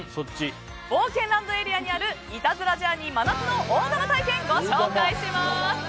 冒険ランドエリアにあるイタズラジャーニー真夏の大玉体験ご紹介します！